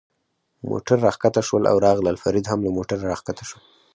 موټرو را کښته شول او راغلل، فرید هم له موټره را کښته شو.